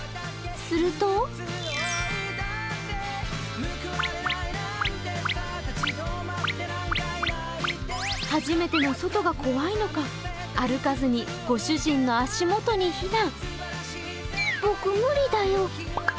すると初めての外が怖いのか歩かずにご主人の足元に避難。